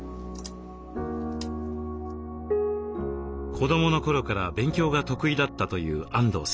子どもの頃から勉強が得意だったというあんどうさん